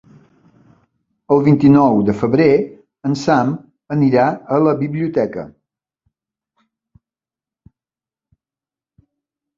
El vint-i-nou de febrer en Sam anirà a la biblioteca.